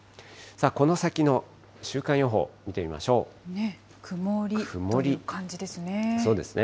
この先の週間予報、見てみましょ曇りという感じですね。